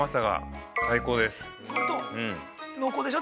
◆濃厚でしょう？